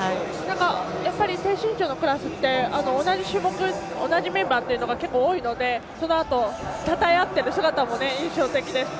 やっぱり、低身長のクラスって同じメンバーというのが結構多いので、そのあとたたえあったりしている姿も印象的でした。